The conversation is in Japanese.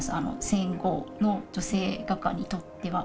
戦後の女性画家にとっては。